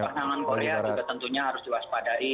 pasangan korea juga tentunya harus diwaspadai